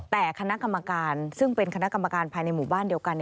แต่คณะกรรมการซึ่งเป็นคณะกรรมการภายในหมู่บ้านเดียวกัน